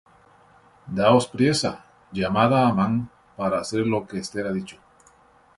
Daos priesa, llamad á Amán, para hacer lo que Esther ha dicho.